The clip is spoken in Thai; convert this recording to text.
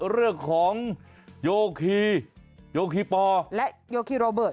เรื่องของโยคีโยคีปอและโยคีโรเบิร์ต